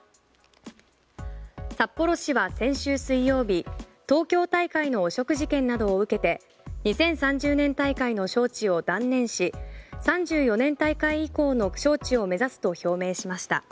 札幌市は先週水曜日東京大会の汚職事件などを受けて２０３０年大会の招致を断念し３４年大会以降の招致を目指すと表明しました。